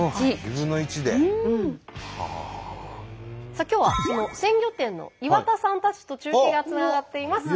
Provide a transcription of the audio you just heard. さあ今日はその鮮魚店の岩田さんたちと中継がつながっています。